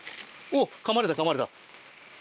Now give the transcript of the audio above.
おっかまれたかまれた。